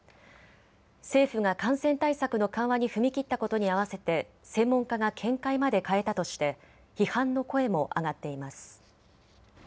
政府が感染対策の緩和に踏み切ったことに併せて専門家が見解まで変えたとして批判の声も上がっています。